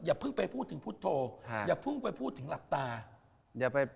อย่าเพิ่งไปพูดถึงพุทธโทษอย่าเพิ่งไปพูดถึงหลับตา